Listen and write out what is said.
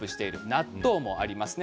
納豆もありますね。